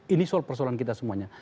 ini soal persoalan kita semuanya